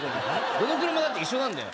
どの車だって一緒なんだよ